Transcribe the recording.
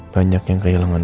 banyak yang kehilangan